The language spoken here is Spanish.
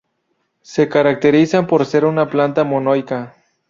Se caracterizan por ser una planta monoica.